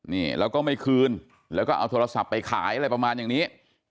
นี่แล้วก็ไม่คืนแล้วก็เอาโทรศัพท์ไปขายอะไรประมาณอย่างนี้